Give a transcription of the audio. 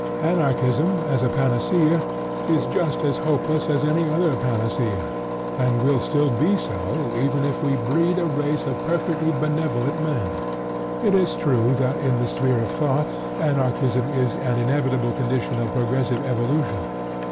Anarchism, as a panacea, is just as hopeless as any other panacea, and will still be so even if we breed a race of perfectly benevolent men. It is true that in the sphere of thought, Anarchism is an inevitable condition of progressive evolution.